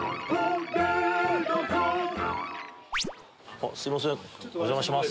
あっすいませんお邪魔します。